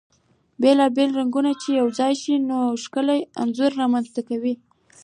بيلا بيل رنګونه چی يو ځاي شي ، نو ښکلی انځور رامنځته کوي .